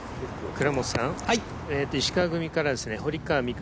石川組から堀川未来